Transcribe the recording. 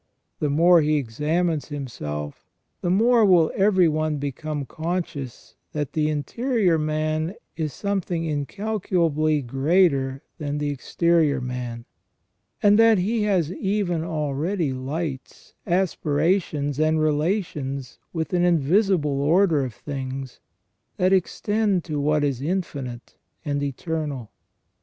The more he examines himself the more will every one become conscious that the interior man is something incalculably greater than the exterior man ; and that he has even already lights, aspirations, and relations with an invisible order of things that extend to what is infinite and eternal.